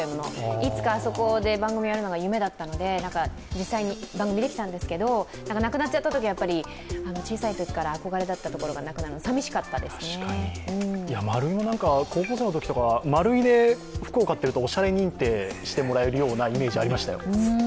いつか、あそこで番組をやるのが夢だったので、実際に番組できたんですけど、なくなっちゃったときは、小さいときからあこがれのところがなくなるのはマルイも高校生のときとか、マルイで服を買ってるとおしゃれ認定してもらえるようなイメージありましたよ。